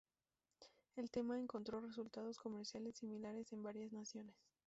El tema encontró resultados comerciales similares en varias naciones.